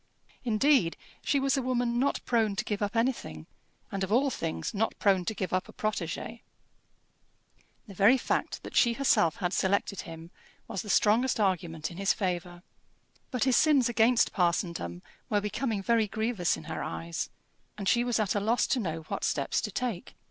Indeed she was a woman not prone to give up anything, and of all things not prone to give up a protégé. The very fact that she herself had selected him was the strongest argument in his favour. But his sins against parsondom were becoming very grievous in her eyes, and she was at a loss to know what steps to take.